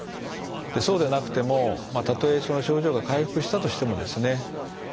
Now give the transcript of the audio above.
そうでなくてもたとえその症状が回復したとしてもですね